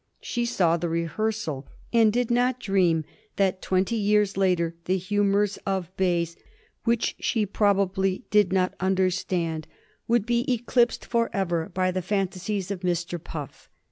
She saw "The Rehearsal," and did not dream that twenty years later the humors of Bayes, which she probably did not understand, would be eclipsed forever by the fantasies of Mr. Puff.